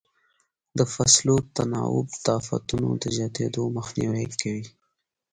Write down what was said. د فصلو تناوب د افتونو د زیاتېدو مخنیوی کوي.